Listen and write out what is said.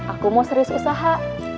aku mau serius usaha